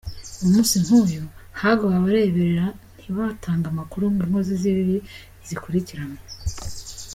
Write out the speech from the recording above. Umunsi nk’uyu hagawe abarebera, ntibatange amakuru ngo inkozi z’ibibi zikurikiranwe.